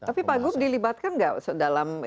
tapi pagub dilibatkan gak dalam